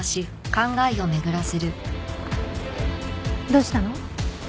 どうしたの？